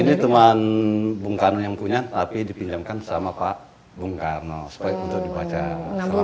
ini teman bung karno yang punya tapi dipinjamkan sama pak bung karno untuk dibaca selama empat tahun